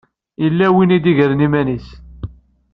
Yella win i d-igren iman-is.